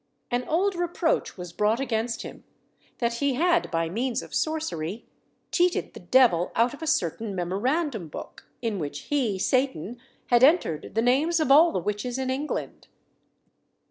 An old reproach was brought against him, that he had, by means of sorcery, cheated the devil out of a certain memorandum book, in which he, Satan, had entered the names of all the witches in England.